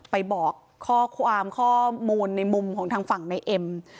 ไปบอกข้อความข้อมูลในมุมของทางฝั่งในเอ็ม